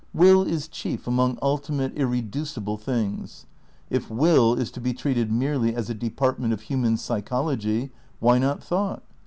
WiU is chief among ulti mate, irreducible things. If Will is to be treated merely as a department of human psychology, why not thought?